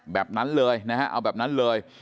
แบบนั้นเลยนะฮะเอาแบบนั้นเลย